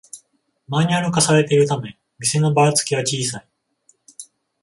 マニュアル化されているため店のバラつきは小さい